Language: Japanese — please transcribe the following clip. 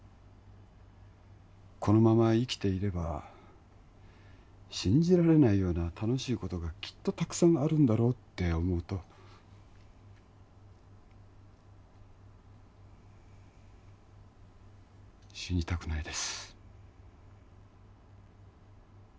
このまま生きていれば信じられないような楽しいことがきっとたくさんあるんだろうって思うと死にたくないです